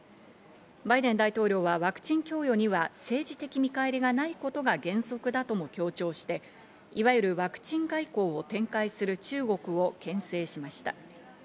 バイデン大統領はワクチン供与には政治的見返りがないことが原則だとも強調して、いわゆるワクチン外交を展開する中国をけん制しました。